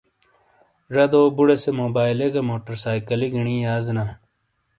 زَدو بُوڑے سے موبائلے گہ موٹر سائکلی گنی یازینا۔